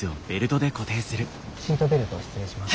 シートベルトを失礼します。